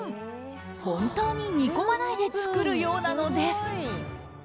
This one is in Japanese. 本当に煮込まないで作るようなのです。